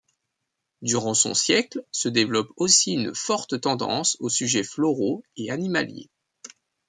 Durant son siècle se développe aussi une forte tendance aux sujets floraux et animaliers.